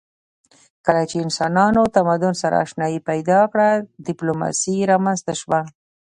کله چې انسانانو تمدن سره آشنايي پیدا کړه ډیپلوماسي رامنځته شوه